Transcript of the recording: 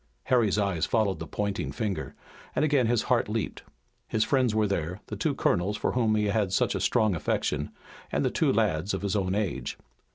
Harry's eyes followed the pointing finger, and again his heart leaped. His friends were there, the two colonels for whom he had such a strong affection, and the two lads of his own age.